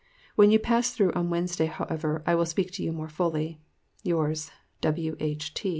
When you pass through on Wednesday, however, I will speak to you more fully. Yours, W.H.